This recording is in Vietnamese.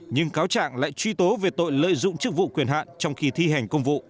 nhưng cáo trạng lại truy tố về tội lợi dụng chức vụ quyền hạn trong khi thi hành công vụ